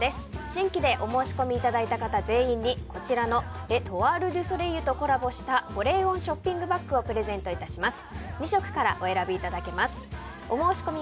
新規でお申し込みいただいた方全員に、こちらのレ・トワール・デュ・ソレイユとコラボした保冷温ショッピングバッグをプレゼント致します。